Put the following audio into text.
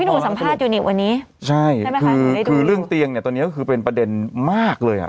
หนูสัมภาษณ์ยูนิวันนี้ใช่ใช่ไหมคะคือเรื่องเตียงเนี้ยตอนเนี้ยก็คือเป็นประเด็นมากเลยอ่ะ